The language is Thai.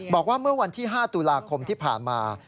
บอกว่าเมื่อวันที่๕ตุลาคมที่ผ่านมา